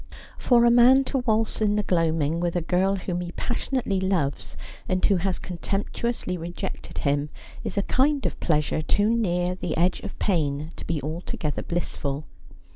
For a man to waltz in the gloaming with a girl whom he passionately loves, and who has contemptuously rejected him, is a kind of pleasure too near the edge of pain to be altogether bliss ful.